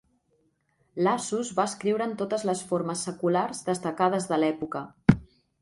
Lassus va escriure en totes les formes seculars destacades de l'època.